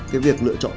cái việc lựa chọn